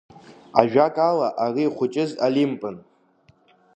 Ажәакала, ари ихәыҷыз Олимпын.